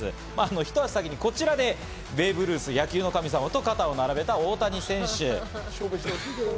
一足先にこちらでベーブ・ルース、野球の神様と肩を並べた大谷選手。